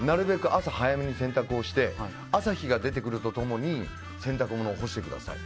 朝早めに洗濯をして朝日が出てくると共に洗濯物を干してください。